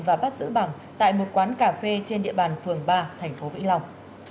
và bắt giữ bằng tại một quán cà phê trên địa bàn phường ba tỉnh vĩnh long